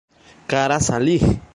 Kara Saliĥ.